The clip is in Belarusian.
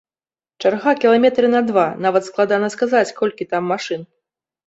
Чарга кіламетры на два, нават складана сказаць, колькі там машын.